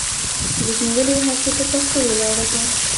ضد نیولې هسې پهٔ پښتو ولاړه ده